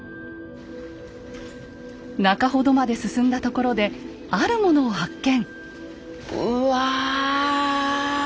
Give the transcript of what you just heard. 中ほどまで進んだところであるものを発見。